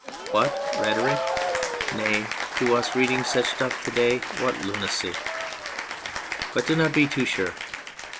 What rhetoric ! Nay, to us reading such stuff' to day, what lunacy ! But do not be too sure.